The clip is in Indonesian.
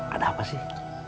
ada apa sih